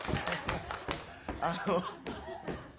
あの。